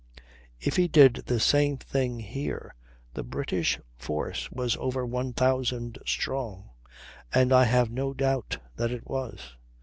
If he did the same thing here, the British force was over 1,000 strong, and I have no doubt that it was.